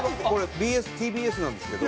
ＢＳ−ＴＢＳなんですけど。